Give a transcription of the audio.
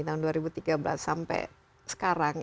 tahun dua ribu tiga belas sampai sekarang